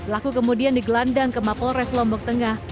laku kemudian digelandang ke mapolres lombok tengah